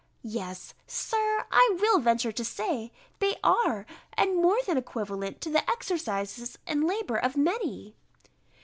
Yes, Sir, I will venture to say, they are, and more than equivalent to the exercises and labour of many.